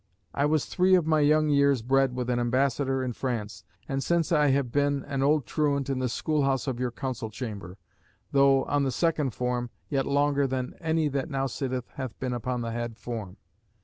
I was three of my young years bred with an ambassador in France, and since I have been an old truant in the school house of your council chamber, though on the second form, yet longer than any that now sitteth hath been upon the head form.